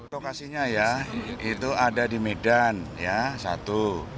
lokasinya ya itu ada di medan ya satu